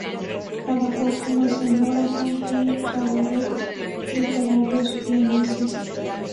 Trabajó como escenógrafa en cabarets literarios vieneses.